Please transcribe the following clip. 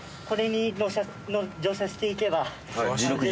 これに乗車していけば。